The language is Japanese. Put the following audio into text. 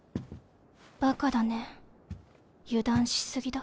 バカだね油断し過ぎだ。